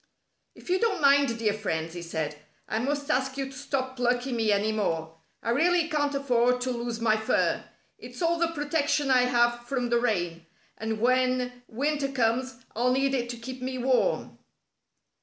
"If you don't mind, dear friends," he said, "I must ask you to stop plucking me any more. I really can't afford to lose my fur. It's all the protection I have from the rain, and when winter comes I'll need it to keep me warm."